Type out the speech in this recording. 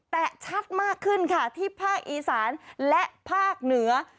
แต่ชัดมากขึ้นค่ะที่ภาคอีสานและภาคเหนือ